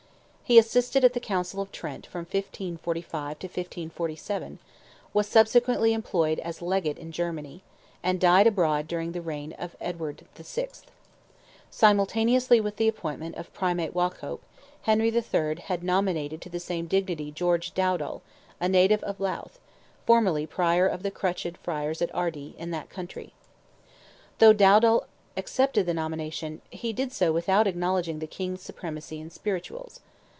He assisted at the Council of Trent from 1545 to 1547, was subsequently employed as Legate in Germany, and died abroad during the reign of Edward VI. Simultaneously with the appointment of Primate Waucop, Henry VIII. had nominated to the same dignity George Dowdal, a native of Louth, formerly Prior of the crutched friars at Ardee, in that county. Though Dowdal accepted the nomination, he did so without acknowledging the King's supremacy in spirituals.